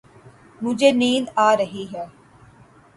مجھے نیند آ رہی ہے